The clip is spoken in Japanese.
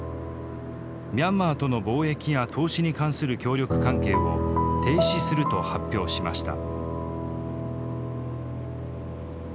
ミャンマーとの貿易や投資に関する協力関係を停止すると発表しました。